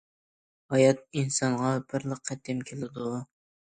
ھايات ئىنسانغا بىرلا قېتىم كېلىدۇ.